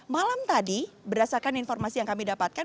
malam tadi berdasarkan informasi yang kami dapatkan